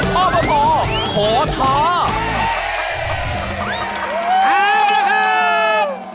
แพล้วนะครับ